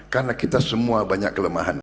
karena kita semua banyak kelemahan